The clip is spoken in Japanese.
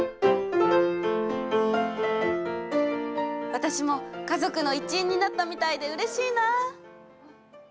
私も家族の一員になったみたいでうれしいな。